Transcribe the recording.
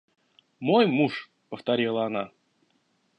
– Мой муж! – повторила она.